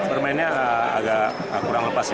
bermainnya agak kurang lepas ya